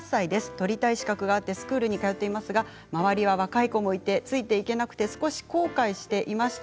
取りたい資格があってスクールに通っていますが周りは若い子もいてついていけなくて少し後悔していました。